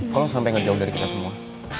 kok lo sampai ngejauh dari kita semua